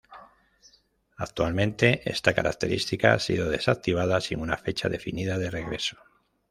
Actualmente esta característica ha sido desactivada sin una fecha definida de regreso.